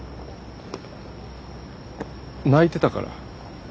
泣いてたから。